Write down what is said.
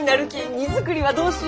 荷造りはどうしよう？